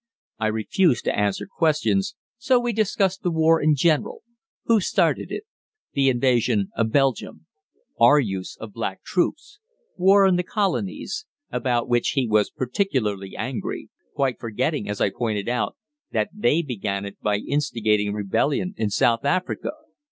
I refused to answer questions, so we discussed the war in general who started it, the invasion of Belgium, our use of black troops, war in the colonies, about which he was particularly angry, quite forgetting, as I pointed out, that they began it by instigating rebellion in South Africa.